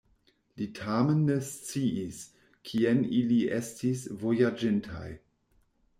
Li tamen ne sciis, kien ili estis vojaĝintaj.